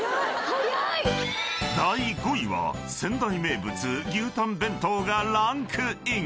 ［第５位は仙台名物牛たん弁当がランクイン］